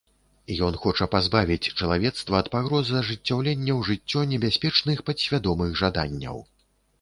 Ён хоча пазбавіць чалавецтва ад пагрозы ажыццяўлення ў жыццё небяспечных падсвядомых жаданняў.